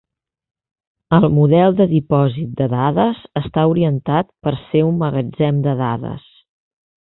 El model de dipòsit de dades està orientat per ser un magatzem de dades.